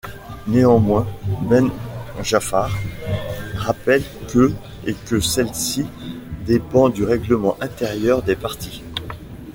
Néanmoins, Ben Jaafar rappelle que et que celle-ci dépend du règlement intérieur des partis.